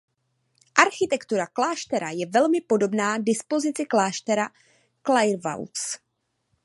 Architektura kláštera je velmi podobná dispozici kláštera Clairvaux.